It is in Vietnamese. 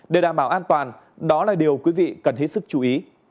để đảm bảo an toàn đó là điều quý vị cần hết sức chú ý